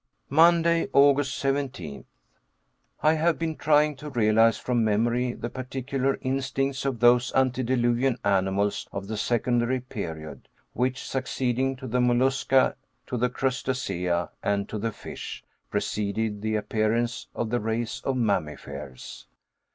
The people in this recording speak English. Monday, August 17th. I have been trying to realize from memory the particular instincts of those antediluvian animals of the secondary period, which succeeding to the mollusca, to the crustacea, and to the fish, preceded the appearance of the race of mammifers.